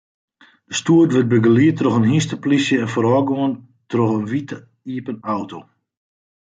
De stoet wurdt begelaat troch hynsteplysje en foarôfgien troch in wite iepen auto.